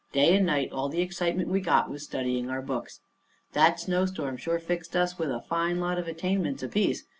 Day and night all the excitement we got was studying our books. That snowstorm sure fixed us with a fine lot of attainments apiece.